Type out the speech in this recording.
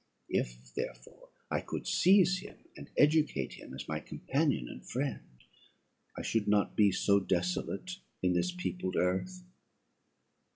If, therefore, I could seize him, and educate him as my companion and friend, I should not be so desolate in this peopled earth.